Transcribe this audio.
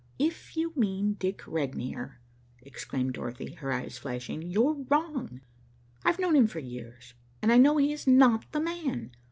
"If you mean Dick Regnier," exclaimed Dorothy, her eyes flashing, "you're wrong. I've known him for years, and I know he is not the man.